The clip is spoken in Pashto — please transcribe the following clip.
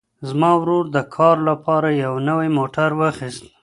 زما ورور د کار لپاره یو نوی موټر واخیست.